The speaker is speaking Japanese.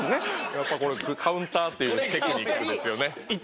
やっぱカウンターっていうテクニックですよね。